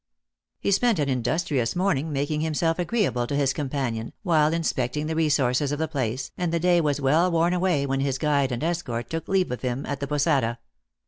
He spent an industrious morning, making himself agreeable to his companion, while inspecting the re sources of the place, and the day was well worn away when his guide and escort took leave of him at the posada.